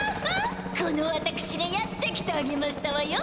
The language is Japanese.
このわたくしがやって来てあげましたわよ！